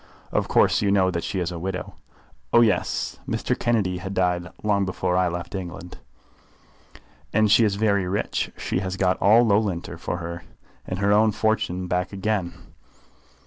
"Of course you know that she is a widow." "Oh, yes; Mr. Kennedy had died long before I left England." "And she is very rich. She has got all Loughlinter for her life, and her own fortune back again.